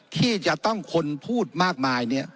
ที่จะต้องคนพูดมากมายเนี่ย